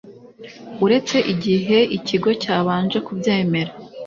Uretse igihe Ikigo cyabanje kubyemera